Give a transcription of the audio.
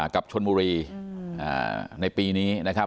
กับชลค์มนตรีในปีนี้นะครับ